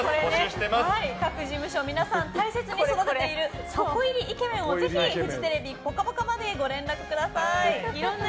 各事務所皆さん大切に育てている箱入りイケメンをぜひ、フジテレビ「ぽかぽか」までご連絡ください。